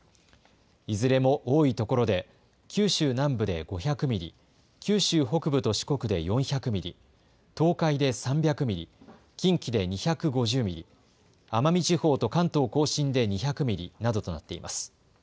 いずれも多い所で、九州南部で５００ミリ、九州北部と四国で４００ミリ、東海で３００ミリ、近畿で２５０ミリ、奄美地方と関東甲信で２００ミリなどとなっています。